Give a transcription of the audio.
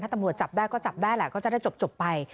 ตำรวจจับได้ก็จับได้แหละก็จะได้จบไป